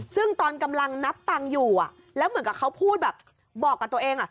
ซึ่งตอนกำลังนับตังค์อยู่แล้วเหมือนกับเขาพูดแบบบอกกับตัวเอง